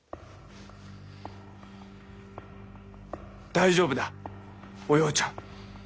大丈夫だおようちゃん。